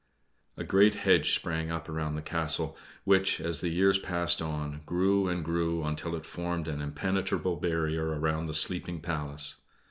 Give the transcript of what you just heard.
A great hedge sprang up around the castle, which, as the years passed on, grew and grew until it formed an impenetrable barrier around the sleeping Palace.